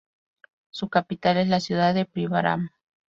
Su capital es la ciudad de Příbram.